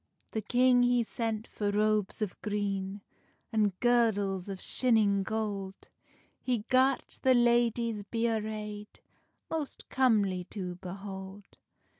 The king he sent for robes of green, An girdles o shinning gold; He gart the ladies be arrayd Most comely to behold.